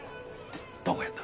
でどこをやった？